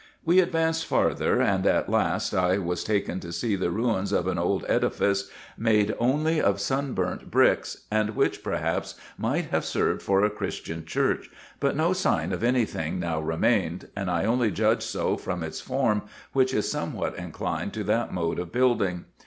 We advanced farther, and at IN EGYPT, NUBIA, &c. 409 last I was taken to see the ruins of an old edifice made only of sun burnt bricks, and which perhaps might have served for a Christian church, but no signs of any thing now remained, and I only judged so from its form, which is somewhat inclined to that mode of building.